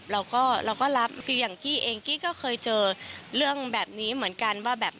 เราก็เราก็รับคืออย่างกี้เองกี้ก็เคยเจอเรื่องแบบนี้เหมือนกันว่าแบบ